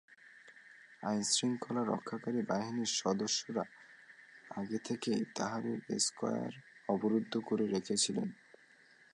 আইনশৃঙ্খলা রক্ষাকারী বাহিনীর সদস্যরা আগে থেকেই তাহরির স্কয়ার অবরুদ্ধ করে রেখেছিলেন।